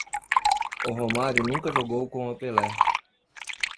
O Romário nunca jogou com o Pelé.